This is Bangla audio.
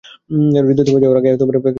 হৃদয় থেমে যাওয়ার আগে তোমাকে থেমে যেতে হবে।